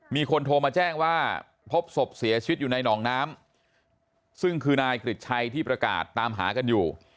มีคนโทรมาแจ้งว่าพบศพเสียชีวิตอยู่ในหนองน้ำซึ่งคือนายกริจชัยที่ประกาศตามหากันอยู่